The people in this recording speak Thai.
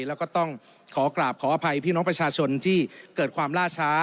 แล้วก็ต้องขอกราบขออภัยพี่น้องประชาชนที่เกิดความล่าช้า